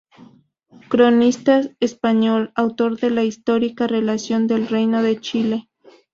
Cronista español, autor de la ""Histórica relación del Reyno de Chile"".